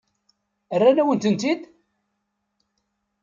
Rran-awen-tent-id?